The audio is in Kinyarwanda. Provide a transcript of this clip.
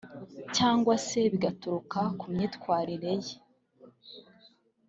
cyangwa se bigaturuka ku myitwarire ye